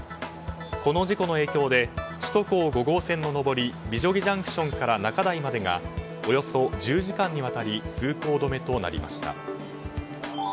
この事故の影響で首都高速５号線の上り美女木ＪＣＴから中台までがおよそ１０時間にわたり通行止めとなりました。